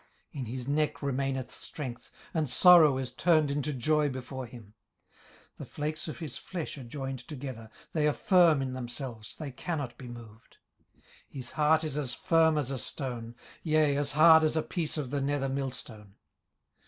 18:041:022 In his neck remaineth strength, and sorrow is turned into joy before him. 18:041:023 The flakes of his flesh are joined together: they are firm in themselves; they cannot be moved. 18:041:024 His heart is as firm as a stone; yea, as hard as a piece of the nether millstone.